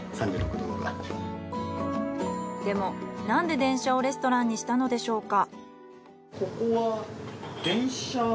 でもなんで電車をレストランにしたのでしょうか？